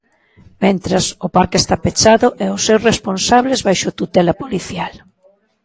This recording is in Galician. Mentres, o parque está pechado e os seus responsables baixo tutela policial.